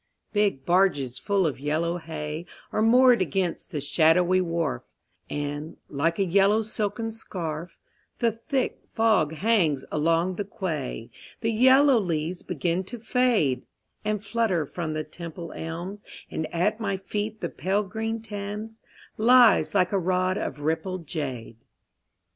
Big barges full of yellow hay Are moored against the shadowy wharf, And, like a yellow silken scarf, The thick fog hangs along the quay. The yellow leaves begin to fade And flutter from the Temple elms, And at my feet the pale green Thames Lies like a rod of rippled jade.